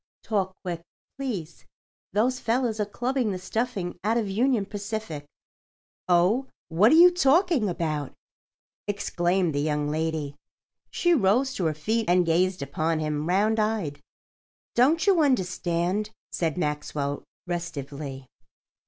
Talk quick, please—those fellows are clubbing the stuffing out of Union Pacific." "Oh, what are you talking about?" exclaimed the young lady. She rose to her feet and gazed upon him, round eyed. "Don't you understand?" said Maxwell, restively.